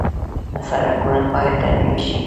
سړکونه باید ترمیم شي